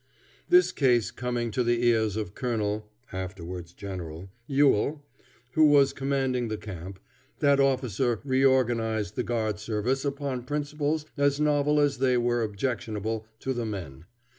This case coming to the ears of Colonel (afterwards General) Ewell, who was commanding the camp, that officer reorganized the guard service upon principles as novel as they were objectionable to the men.